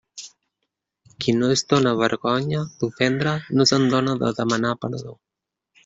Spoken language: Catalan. Qui no es dóna vergonya d'ofendre no se'n dóna de demanar perdó.